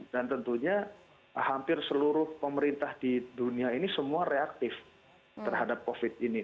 dan tentunya hampir seluruh pemerintah di dunia ini semua reaktif terhadap covid sembilan belas ini